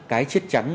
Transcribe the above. cái chết trắng